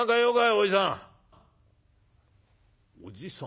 おじさん」。